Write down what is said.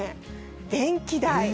電気代。